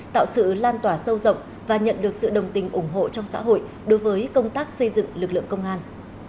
tạo sự lan tỏa sâu rộng và nhận được sự đồng tình ủng hộ trong xã hội đối với công tác xây dựng lực lượng công an